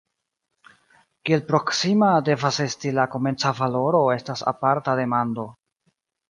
Kiel proksima devas esti la komenca valoro estas aparta demando.